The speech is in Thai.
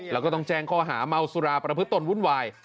แล้วก็ต้องแจ้งข้อหาเมาสุราประพฤตนวุ่นวาย